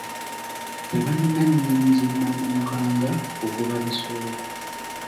Tebalina nnyonyi zi nnamunkanga kugoba bisolo.